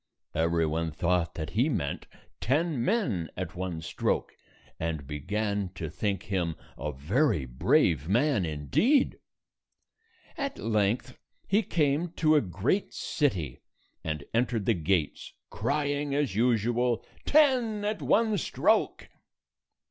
Every one thought that he meant ten men at 128 one stroke, and began to think him a very brave man, indeed. At length, he came to a great city, and entered the gates, crying as usual, "Ten at one stroke!"